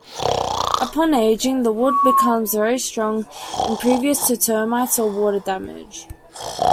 Upon aging, the wood becomes very strong, impervious to termites or water damage.